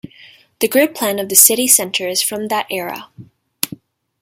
The grid plan of the city center is from that era.